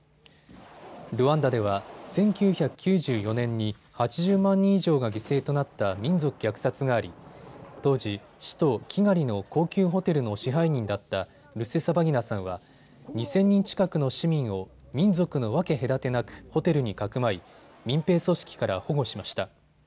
ルワンダでは１９９４年に８０万人以上が犠牲となった民族虐殺があり当時、首都キガリの高級ホテルの支配人だったルセサバギナさんは２０００人近くの市民を民族の分け隔てなくホテルにかくまい民兵組織から保護しました。